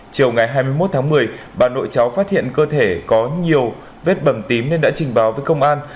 chiều ngày hai mươi một tháng một mươi bà nội cháu phát hiện cơ thể có nhiều vết bầm tím nên đã trình báo với công an